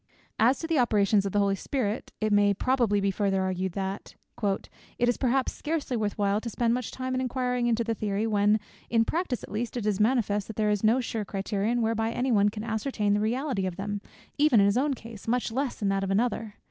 "As to the operations of the Holy Spirit," it may probably be further urged, that "it is perhaps scarcely worth while to spend much time in inquiring into the theory, when, in practice at least, it is manifest, that there is no sure criterion whereby any one can ascertain the reality of them, even in his own case, much less in that of another.